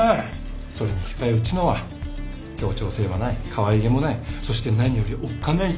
それに引き換えうちのは協調性はないかわいげもないそして何よりおっかない。